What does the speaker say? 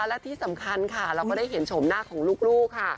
และที่สำคัญค่ะเราก็ได้เห็นชมหน้าของลูกค่ะ